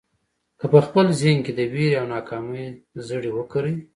که په خپل ذهن کې د وېرې او ناکامۍ زړي وکرئ.